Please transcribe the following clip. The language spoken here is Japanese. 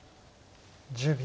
１０秒。